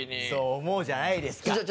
そう思うじゃないですか。